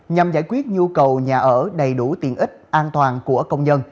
nhằm giải quyết nhu cầu nhà ở đầy đủ tiện ích an toàn của công nhân